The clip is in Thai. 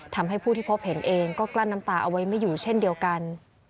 ทำให้ผู้ที่พบเห็นเองก็กลั้นน้ำตาเอาไว้ไม่อยู่เช่นเดียวกัน